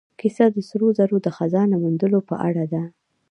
کیسه د سرو زرو د خزانه موندلو په اړه ده.